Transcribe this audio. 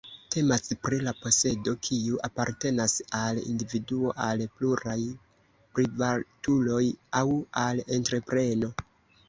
Temas pri la posedo, kiu apartenas al individuo, al pluraj privatuloj aŭ al entrepreno.